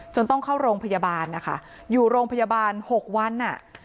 ต้องเข้าโรงพยาบาลนะคะอยู่โรงพยาบาล๖วันอ่ะ